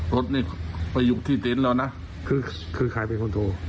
รถนี่ไปอยู่ที่เต็นต์แล้วนะคือใครเป็นคนโทร